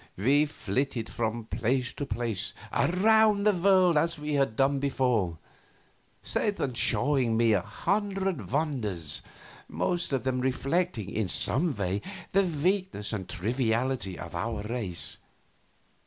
We flitted from place to place around the world as we had done before, Satan showing me a hundred wonders, most of them reflecting in some way the weakness and triviality of our race.